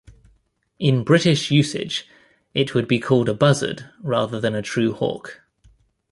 In British usage, it would be called a buzzard rather than a true hawk.